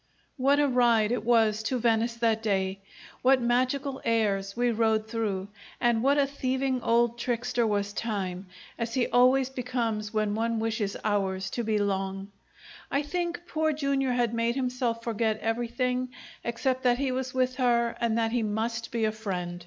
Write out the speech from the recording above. What a ride it was to Venice that day! What magical airs we rode through, and what a thieving old trickster was time, as he always becomes when one wishes hours to be long! I think Poor Jr. had made himself forget everything except that he was with her and that he must be a friend.